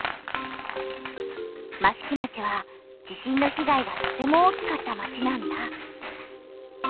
益城町は地震の被害がとても大きかった町なんだ。